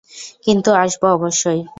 কিন্তু আসব অবশ্যই।